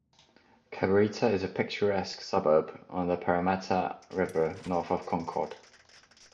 Cabarita is a picturesque suburb, on the Parramatta River, north of Concord.